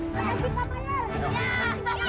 masih ke bawah